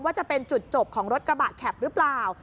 จะเป็นจุดจบของรถกระบะแข็บหรือเปล่า